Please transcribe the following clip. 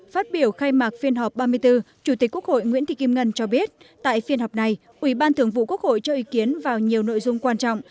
phát biểu khai mạc phiên họp ba mươi bốn chủ tịch quốc hội nguyễn thị kim ngân cho biết tại phiên họp này ủy ban thường vụ quốc hội cho ý kiến vào nhiều nội dung quan trọng